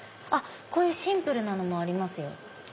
こういうシンプルなのもありますよ。